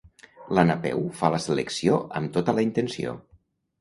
La Napeu fa la selecció amb tota la intenció.